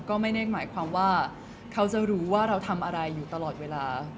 ก็ไม่ได้หมายความว่าเขาจะรู้ว่าเราทำอะไรอยู่ตลอดเวลา